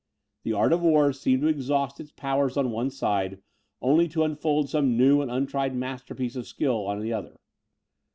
The art of war seemed to exhaust its powers on one side, only to unfold some new and untried masterpiece of skill on the other.